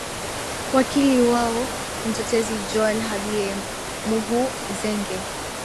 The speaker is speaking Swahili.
wakili wao mtetezi john habie muhuzenge